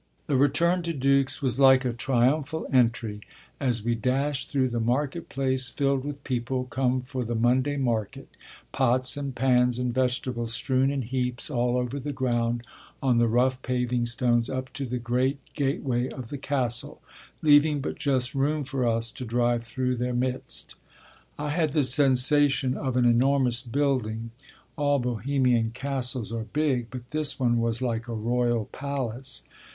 The return to Dux was like a triumphal entry, as we dashed through the market place filled with people come for the Monday market, pots and pans and vegetables strewn in heaps all over the ground, on the rough paving stones, up to the great gateway of the castle, leaving but just room for us to drive through their midst. I had the sensation of an enormous building: all Bohemian castles are big, but this one was like a royal palace.